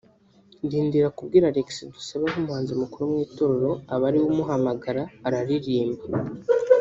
ndindira kubibwira Alexis Dusabe nk’umuhanzi mukuru mu itorero aba ariwe umuhamagara araririmba”